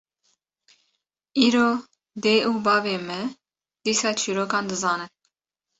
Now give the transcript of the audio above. Îro dê û bavê me dîsa çîrokan dizanin